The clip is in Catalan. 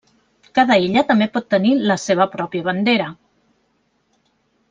Cada illa també pot tenir la seva pròpia bandera.